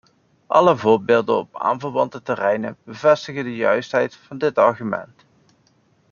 Alle voorbeelden op aanverwante terreinen bevestigen de juistheid van dit argument.